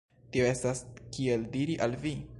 Tio estas, kiel diri al vi?